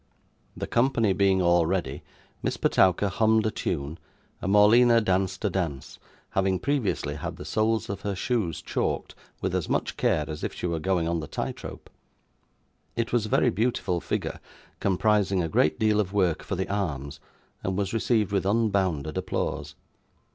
The company being all ready, Miss Petowker hummed a tune, and Morleena danced a dance; having previously had the soles of her shoes chalked, with as much care as if she were going on the tight rope. It was a very beautiful figure, comprising a great deal of work for the arms, and was received with unbounded applause.